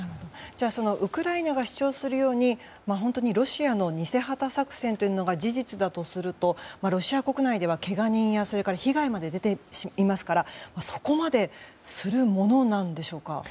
じゃあ、ウクライナが主張するように、ロシアの偽旗作戦というのが事実だとするとロシア国内ではけが人や被害まで出ていますからそこまでするものなんでしょうか。